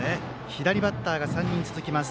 左バッターが３人続きます。